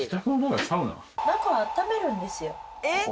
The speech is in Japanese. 中あっためるんですよ